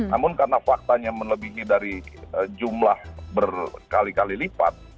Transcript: namun karena faktanya melebihi dari jumlah berkali kali lipat